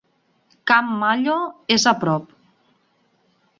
Camp Mallo és a prop.